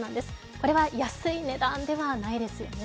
これは安い値段ではないですよね。